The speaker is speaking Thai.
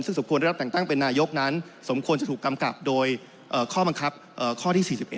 ซึ่งสมควรได้รับแต่งตั้งเป็นนายกนั้นสมควรจะถูกกำกับโดยข้อบังคับข้อที่๔๑